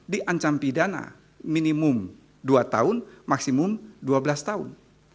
diancam pidana minimum dua tahun maksimum dua belas tahun